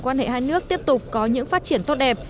quan hệ hai nước tiếp tục có những phát triển tốt đẹp